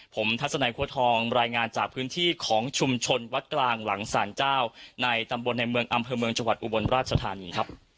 ผมทัศนัยคั่วทองรายงานจากพื้นที่ของชุมชนวัดกลางหลังสารเจ้าในตำบลในเมืองอำเภอเมืองจังหวัดอุบลราชธานีครับ